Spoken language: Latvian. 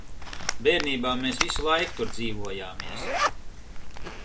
Bērnībā mēs visu laiku tur dzīvojāmies.